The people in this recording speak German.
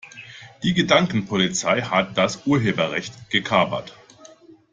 Die Gedankenpolizei hat das Urheberrecht gekapert.